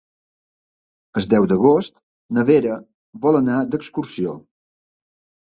El deu d'agost na Vera vol anar d'excursió.